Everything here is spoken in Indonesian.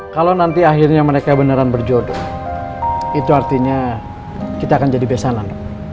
kalau nanti akhirnya mereka beneran berjodoh itu artinya kita akan jadi besanan